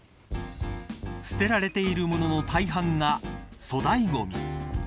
捨てられているものの大半が粗大ごみ。